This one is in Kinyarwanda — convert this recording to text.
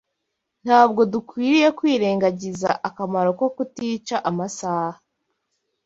Ntabwo dukwiriye kwirengagiza akamaro ko kutica amasaha